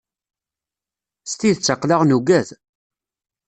S tidet aql-aɣ nugad.